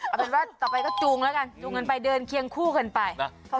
เอาเป็นว่าต่อไปก็จูงแล้วกันจูงกันไปเดินเคียงคู่กันไป